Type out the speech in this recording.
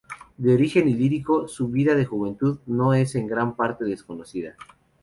De origen ilírico, su vida de juventud nos es en gran parte desconocida.